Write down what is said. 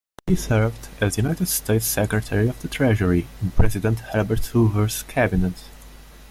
He served as United States Secretary of the Treasury in President Herbert Hoover's cabinet.